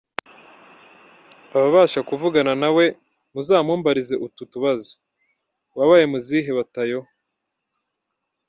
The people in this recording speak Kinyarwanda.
Ababasha kuvugana nawe muzamumbarize utu tubazo : Wabaye mu zihe batayo ?